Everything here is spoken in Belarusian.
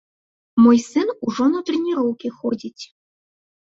Мой сын ужо на трэніроўкі ходзіць.